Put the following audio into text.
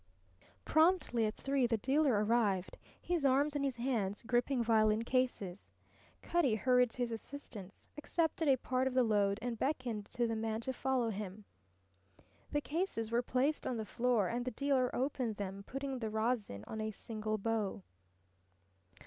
Promptly at three the dealer arrived, his arms and his hands gripping violin cases. Cutty hurried to his assistance, accepted a part of the load, and beckoned to the man to follow him. The cases were placed on the floor, and the dealer opened them, putting the rosin on a single bow.